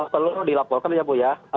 selalu dilaporkan ya bu ya